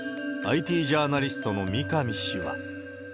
ＩＴジャーナリストの三上氏は。